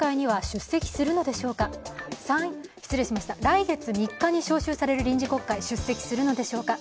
来月３日に召集される臨時国会には出席するのでしょうか。